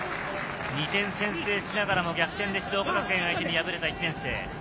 ２点先制しながらの逆転で静岡学園相手に敗れた１年生。